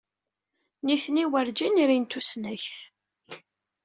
Nitni werǧin rin tusnakt.